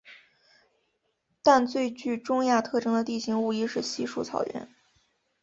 但最具中亚特征的地形无疑是稀树草原。